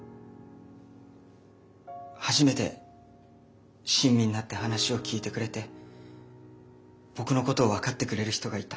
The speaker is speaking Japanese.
初めて親身になって話を聞いてくれて僕のことを分かってくれる人がいた。